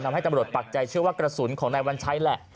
ทำให้ตำรวจปักใจเชื่อว่ากระสุนของนายวัญชัยแหละ